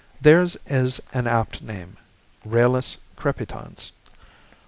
Theirs is an apt name, _Rallus crepitans.